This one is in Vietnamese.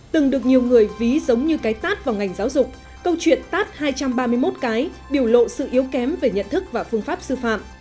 từng được nhiều người ví giống như cái tát vào ngành giáo dục câu chuyện tát hai trăm ba mươi một cái biểu lộ sự yếu kém về nhận thức và phương pháp sư phạm